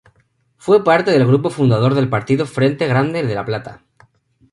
Fue parte del grupo fundador del Partido Frente Grande de La Plata.